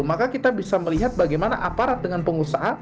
maka kita bisa melihat bagaimana aparat dengan pengusaha